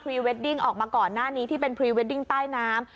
เวดดิ้งออกมาก่อนหน้านี้ที่เป็นพรีเวดดิ้งใต้น้ำ